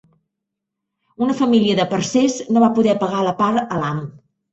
Una família de parcers, no va poder pagar la part a l'amo